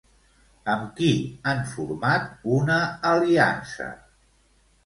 Amb qui han format una aliança?